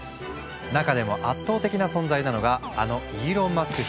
中でも圧倒的な存在なのがあのイーロン・マスク